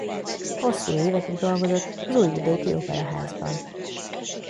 Hosszú évekig dolgozott az újvidéki operaházban.